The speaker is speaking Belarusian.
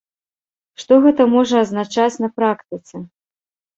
Што гэта можа азначаць на практыцы?